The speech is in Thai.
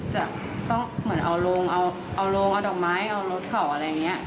จะต้องเหมือนเอาโรงเอาโรงเอาดอกไม้เอารถเขาอะไรอย่างนี้